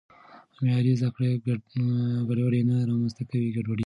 معیاري زده کړه ګډوډي نه رامنځته کوي.